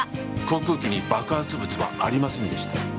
航空機に爆発物はありませんでした。